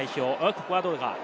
ここはどうか？